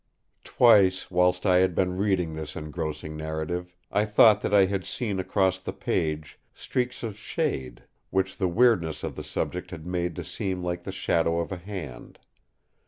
Twice, whilst I had been reading this engrossing narrative, I had thought that I had seen across the page streaks of shade, which the weirdness of the subject had made to seem like the shadow of a hand.